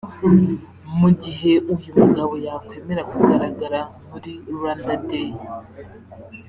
Mu gihe uyu mugabo yakwemera kugaragara muri Rwanda Day